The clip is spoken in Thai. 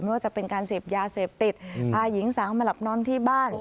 ว่าจะเป็นการเสพยาเสพติดพาหญิงสาวมาหลับนอนที่บ้าน